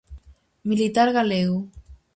Militar galego.